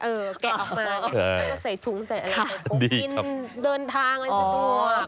แล้วก็ใส่ถุงใส่อะไรไปปกกินเดินทางอะไรแบบนี้